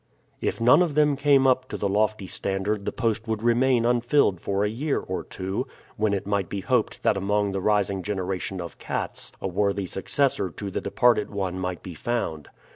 If none of them came up to the lofty standard the post would remain unfilled for a year or two, when it might be hoped that among the rising generation of cats a worthy successor to the departed one might be found.